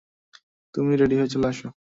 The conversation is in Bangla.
তুমি রেডি হলে চলে এসো।